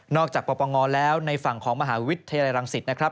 อกจากปปงแล้วในฝั่งของมหาวิทยาลัยรังสิตนะครับ